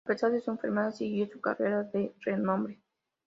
A pesar de su enfermedad, siguió una carrera de renombre.